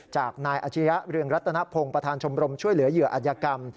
จากนายอาชียะเรืองรัตนพงศ์ประธานชมรมช่วยเหลือเหยื่ออัธยกรรม